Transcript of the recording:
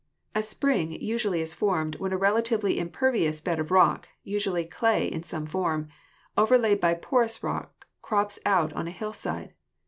A GEOLOGY spring usually is formed when a relatively impervious bed of rock (usually clay in some "form) overlaid by porous rocks crops out on a hillside.